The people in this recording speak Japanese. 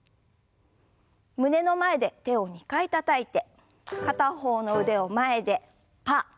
胸の前で手を２回たたいて片方の腕を前でパー。